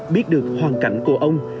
biết được hoàn cảnh của ông